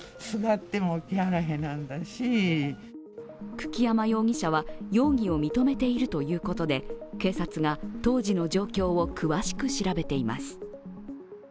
久木山容疑者は容疑を認めているということで、警察が当時の状況を詳しく調べています。